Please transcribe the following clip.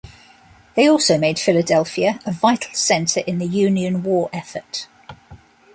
They also made Philadelphia a vital center in the Union war effort.